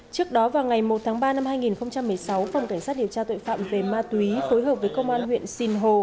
trước đó vào ngày một tháng ba năm hai nghìn một mươi sáu phòng cảnh sát điều tra tội phạm về ma túy phối hợp với công an huyện sinh hồ